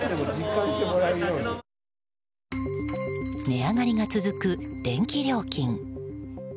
値上がりが続く電気料金。